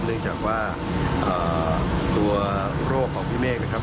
เนื่องจากว่าตัวโรคของพี่เมฆนะครับ